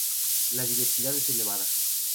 La diversidad es elevada.